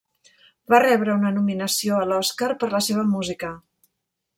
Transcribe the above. Va rebre una nominació a l'Oscar per la seva música.